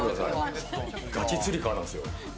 ガチつり革なんですよ。